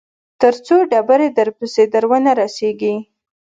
تر څو ډبرې درپسې در ونه رسېږي.